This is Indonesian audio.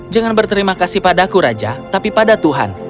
jangan berterima kasih padaku raja tapi pada tuhan